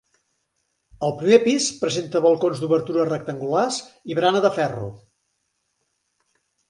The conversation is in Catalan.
El primer pis presenta balcons d'obertures rectangulars i barana de ferro.